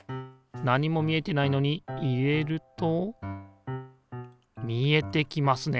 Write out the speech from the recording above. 何も見えてないのに入れると見えてきますね。